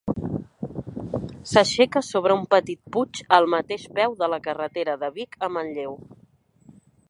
S'aixeca sobre un petit puig al mateix peu de la carretera de Vic a Manlleu.